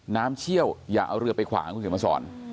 น้ำเชี่ยวอย่าเอาเรือไปขวางคุณศิลป์มาสอน